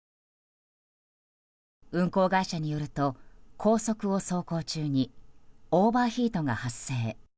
運行会社によると高速を走行中にオーバーヒートが発生。